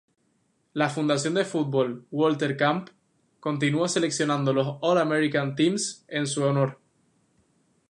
La Fundación de Fútbol Walter Camp continúa seleccionando los All-American teams en su honor.